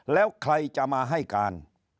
แล้วใครจะมาให้การ